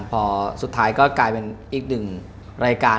พอสุดท้ายก็กลายเป็นอีกหนึ่งรายการ